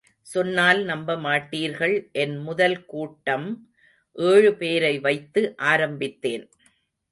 சொன்னால் நம்பமாட்டீர்கள் என் முதல் கூட்டம் ஏழு பேரைவைத்து ஆரம்பித்தேன்.